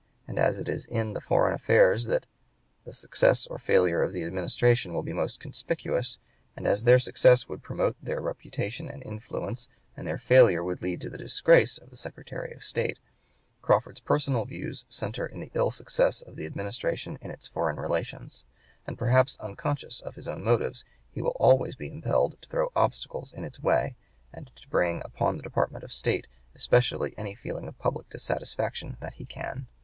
And as it is in the foreign affairs that the success or failure of the Administration will be most conspicuous, and as their success would promote the reputation and influence, and their failure would lead to (p. 113) the disgrace of the Secretary of State, Crawford's personal views centre in the ill success of the Administration in its foreign relations; and, perhaps unconscious of his own motives, he will always be impelled to throw obstacles in its way, and to bring upon the Department of State especially any feeling of public dissatisfaction that he can